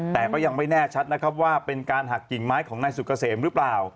แต่ก็ยังไม่แน่ชัดนะครับว่าเป็นการหักกิ่งไม้ของนายสุกเกษมหรือเปล่า